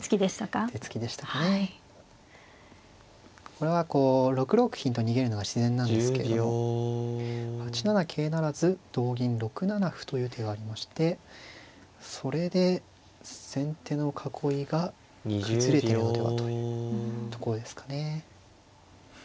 これはこう６六金と逃げるのが自然なんですけれども８七桂不成同銀６七歩という手がありましてそれで先手の囲いが崩れてるのではというとこですかね。